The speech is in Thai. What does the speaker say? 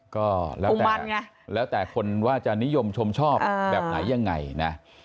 ก็แล้วแต่แล้วแต่คนว่าจะนิยมชมชอบแบบไหนยังไงนะ